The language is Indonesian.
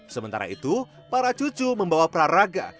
sementara itu para cucu membawa praraga